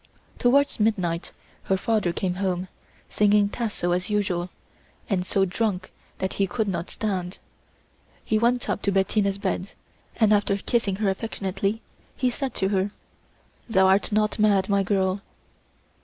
Towards midnight her father came home, singing Tasso as usual, and so drunk that he could not stand. He went up to Bettina's bed, and after kissing her affectionately he said to her: "Thou art not mad, my girl."